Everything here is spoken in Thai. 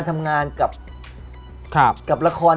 แมทโอปอล์